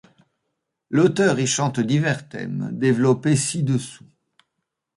L’auteur y chante divers thèmes, développés ci-dessous.